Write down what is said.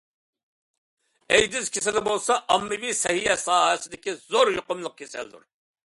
ئەيدىز كېسىلى بولسا، ئاممىۋى سەھىيە ساھەسىدىكى زور يۇقۇملۇق كېسەلدۇر.